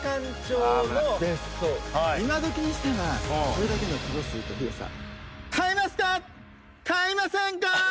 今どきにしてはこれだけの坪数と広さ。